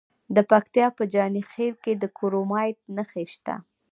د پکتیا په جاني خیل کې د کرومایټ نښې شته.